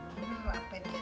udah lah pet